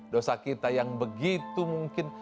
dosa kita yang begitu mungkin